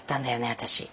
私。